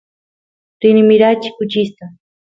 rini mirachiy kuchista